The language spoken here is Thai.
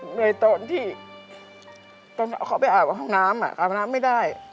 เหนื่อยตอนที่ตอนเอาเขาไปอาบกับห้องน้ำอาบน้ำไม่ได้